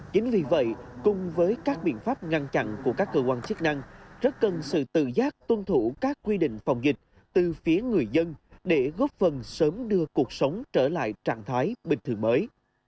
chính vì vậy cùng với các biện pháp ngăn chặn của các cơ quan chức năng rất cần sự tự giác tuân thủ các quy định phòng dịch từ phía người dân để góp phần sớm đưa cuộc sống trở lại trạng thái bình thường mới